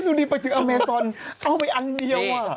ดูดีไปถึงอเมซอนเอาไปอันเดียว